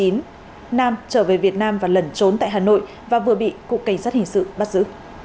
nam trở về việt nam và lẩn trốn tại hà nội và vừa bị cục cảnh sát hình sự bắt giữ